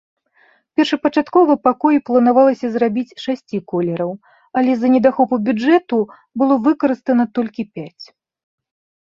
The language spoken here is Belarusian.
Першапачаткова пакоі планавалася зрабіць шасці колераў, але з-за недахопу бюджэту было выкарыстана толькі пяць.